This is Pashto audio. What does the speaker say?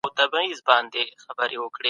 ذهني توازن ثبات راولي.